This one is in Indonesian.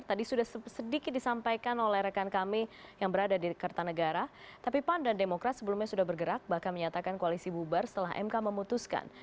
tadi sudah sedikit disampaikan oleh rekan kami yang berada di kertanegara tapi pan dan demokrat sebelumnya sudah bergerak bahkan menyatakan koalisi bubar setelah mk memutuskan